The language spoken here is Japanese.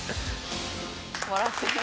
笑ってる。